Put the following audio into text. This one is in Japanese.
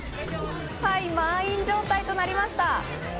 満員状態となりました。